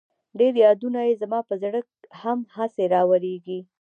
ډېر يادونه يې زما په زړه هم هغسې راوريږي